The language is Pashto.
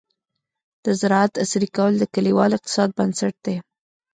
د زراعت عصري کول د کليوال اقتصاد بنسټ دی.